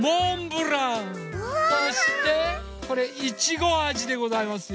そしてこれいちごあじでございますよ。